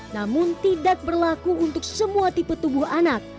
namun tidak berlaku untuk semua tipe tubuh anak